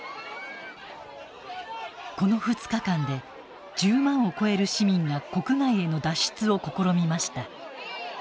この２日間で１０万を超える市民が国外への脱出を試みました。